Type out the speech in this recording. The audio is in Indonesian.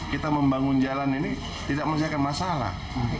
kita membangun jalan ini tidak menyelesaikan masalah